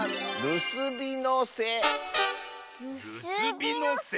るすびのせ？